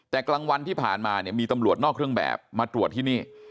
แต่กลางวันที่ผ่านมาเนี่ยมีตำรวจนอกเครื่องแบบมาตรวจที่นี่